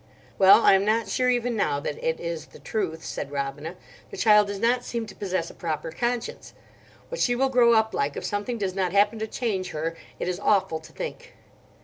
"Well, I am not sure even now that it is the truth," said Robina—"the child does not seem to possess a proper conscience. What she will grow up like, if something does not happen to change her, it is awful to think."